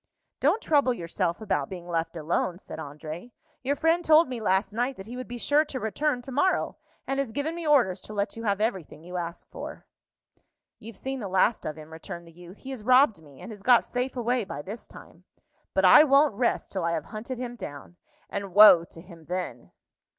"Don't trouble yourself about being left alone," said André; "your friend told me last night that he would be sure to return to morrow, and has given me orders to let you have everything you ask for." "You've seen the last of him," returned the youth. "He has robbed me, and has got safe away by this time. But I won't rest till I have hunted him down; and woe to him then!"